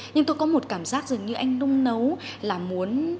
nhưng tôi có một cảm giác dường như anh nung nấu là muốn